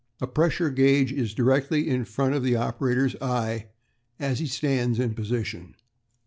A pressure gauge is directly in front of the operator's eye as he stands in position.